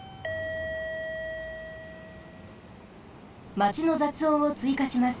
マチのざつおんをついかします。